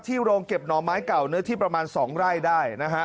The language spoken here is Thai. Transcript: โรงเก็บหน่อไม้เก่าเนื้อที่ประมาณ๒ไร่ได้นะฮะ